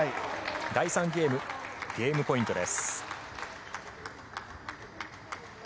第３ゲームゲームポイントです。